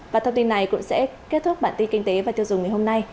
và thông tin này cũng sẽ kết thúc bản tin kinh tế và tiêu dùng ngày hôm nay